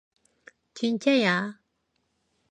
진짜야.